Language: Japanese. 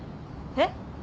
えっ？